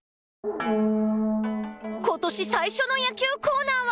ことし、最初の野球コーナーは。